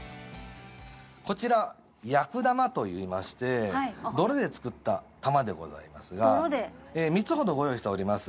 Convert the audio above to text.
こちら厄玉と言いまして泥で作った玉でございますが３つほどご用意しております。